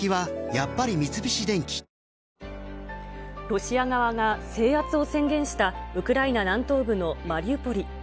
ロシア側が制圧を宣言したウクライナ南東部のマリウポリ。